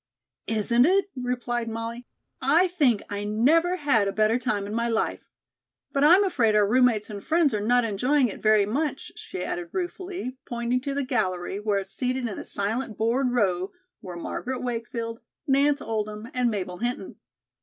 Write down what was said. "Isn't it?" replied Molly. "I think I never had a better time in my life. But I'm afraid our roommates and friends are not enjoying it very much," she added ruefully, pointing to the gallery, where seated in a silent bored row were Margaret Wakefield, Nance Oldham and Mabel Hinton.